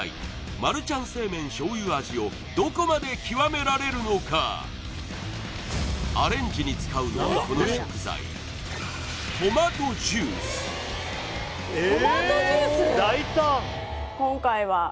マルちゃん正麺醤油味をどこまで極められるのかアレンジに使うのはこの食材ええっ